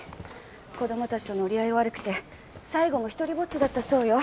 子供たちとの折り合い悪くて最後も一人ぼっちだったそうよ。